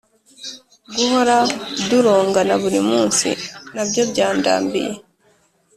guhora durongana buri munsi nabyo byandambiye.